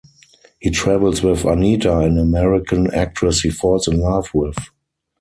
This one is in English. He travels with Anita, an American actress he falls in love with.